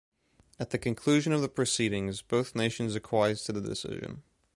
At the conclusion of the proceedings, both nations acquiesced to the decision.